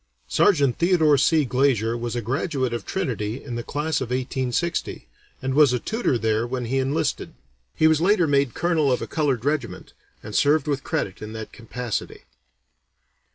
Sergeant Theodore C. Glazier was a graduate of Trinity in the class of 1860, and was a tutor there when he enlisted. He was later made colonel of a colored regiment, and served with credit in that capacity.